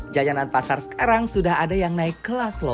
jajanan pasar sekarang sudah ada yang naik kelas lho